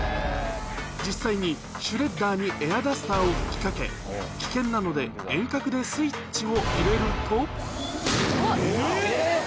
実際にシュレッダーにエアダスターを吹きかけ、危険なので、遠隔でスイッチを入れると。